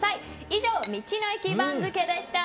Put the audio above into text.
以上、道の駅番付でした。